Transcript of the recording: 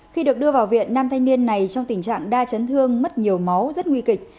khi được đưa vào viện nam thanh niên này trong tình trạng đa chấn thương mất nhiều máu rất nguy kịch